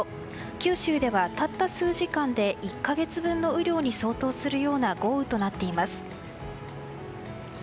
九州ではたった数時間で１か月分の雨量に相当するような豪雨となっています。